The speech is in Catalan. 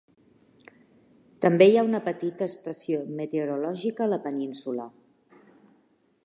També hi ha una petita estació meteorològica a la península.